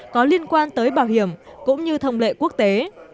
có liên quan tới bảo hiểm cũng như thông lệ quốc tế